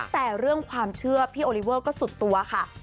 แต่เรื่องความเชื่อพี่โอลิเวอร์ก็สุดตัวค่ะ